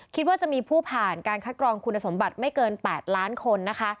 คิดว่าจะมีผู้ผ่านการคัดกรองคุณสมบัติไม่เกิน๘ล้านคนนะคะ